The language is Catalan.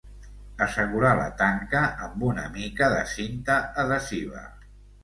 Assegurar la tanca amb una mica de cinta adhesiva.